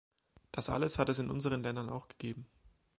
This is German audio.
Das alles hat es in unseren Ländern auch gegeben.